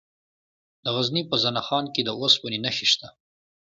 د غزني په زنه خان کې د اوسپنې نښې شته.